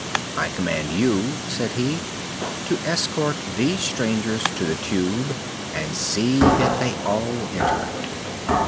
"I command you," said he, "to escort these strangers to the Tube and see that they all enter it."